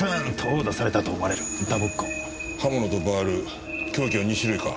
刃物とバール凶器は２種類か。